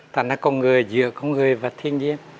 thành ra có người giữa có người và thiên nhiên